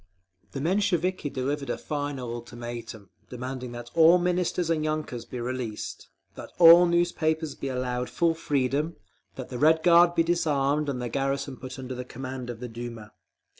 _ The Mensheviki delivered a final ultimatum, demanding that all Ministers and yunkers be released, that all newspapers be allowed full freedom, that the Red Guard be disarmed and the garrison put under command of the Duma.